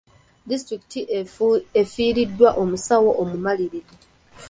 Disitulikiti efiiriddwa omusawo omumalirivu.